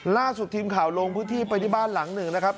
ล่าสุดทีมข่าวลงพื้นที่ไปที่บ้านหลังหนึ่งนะครับ